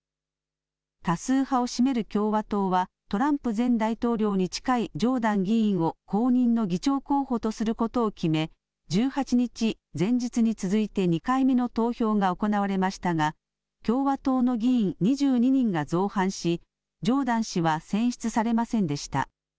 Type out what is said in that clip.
多数派を占める共和党はトランプ前大統領に近いジョーダン議員を後任の議長候補とすることを決め１８日、前日に続いて２回目の投票が行われましたが共和党の議員２２人が造反しジョーダン氏は選出されませんでした。